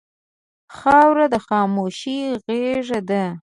خاوره د خاموشۍ غېږه ده.